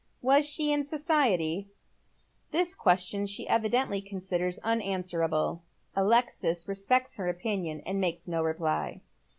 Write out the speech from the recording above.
" Was she in society ?" This question she evidently considers unanswerable. Alexis respects her opinion, and makes no reply.